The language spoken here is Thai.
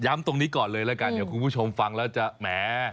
ตรงนี้ก่อนเลยแล้วกันเดี๋ยวคุณผู้ชมฟังแล้วจะแหม